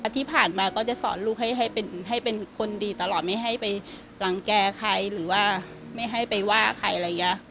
ที่ผ่านมาก็จะสอนลูกให้เป็นคนดีตลอดไม่ให้ไปรังแก่ใครหรือว่าไม่ให้ไปว่าใครอะไรอย่างนี้